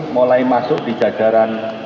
mulai masuk di jadaran